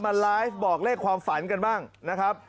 มาไลฟ์บอกเลขความฝันกันบ้างนะครับ